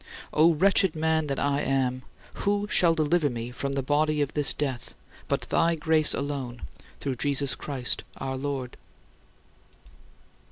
"O wretched man that I am! Who shall deliver me from the body of this death" but thy grace alone, through Jesus Christ our Lord?